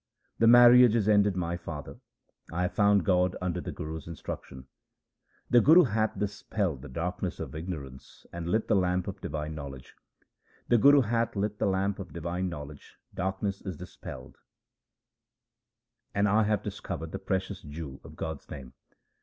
The marriage is ended, my father ; I have found God under the Guru's instruction. The Guru hath dispelled the darkness of ignorance, and lit the lamp of divine knowledge : The Guru hath lit the lamp of divine knowledge, darkness is dispelled, and I have discovered the precious jewel of God's name.